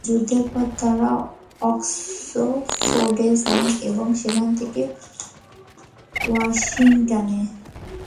যুদ্ধের পর তারা অক্সফোর্ডে যান, এবং সেখান থেকে ওয়াশিংটনে।